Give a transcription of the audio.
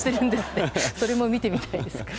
それも見てみたいですね。